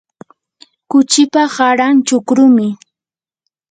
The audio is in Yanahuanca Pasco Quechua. kuchipa qaran chukrumi.